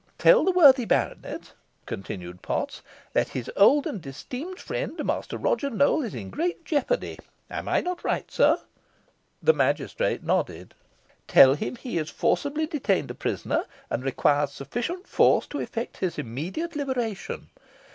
"Tell the worthy baronet," continued Potts, "that his old and esteemed friend, Master Roger Nowell, is in great jeopardy am I not right, sir?" The magistrate nodded. "Tell him he is forcibly detained a prisoner, and requires sufficient force to effect his immediate liberation.